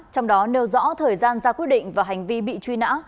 trong đó nêu rõ thời gian ra quyết định và hành vi bị truy nã